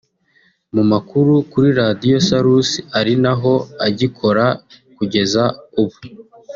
mu makuru kuri Radio Salus ari naho agikora kugeza ubu